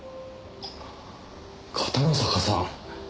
片野坂さん。